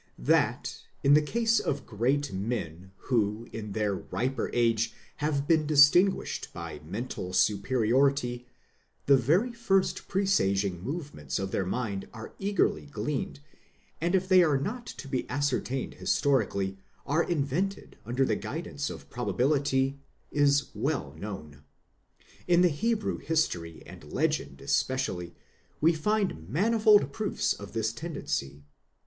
That in the case of great men who in their riper age have been distinguished by mental superiority, the very first presaging movements of their mind are eagerly gleaned, and if they are not to be ascertained historically, are invented under the guidance of probability, is well known. In the Hebrew history and legend especially, we find manifold proofs of this tendency.